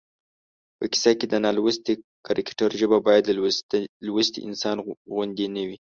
په کیسه کې د نالوستي کرکټر ژبه باید د لوستي انسان غوندې نه وي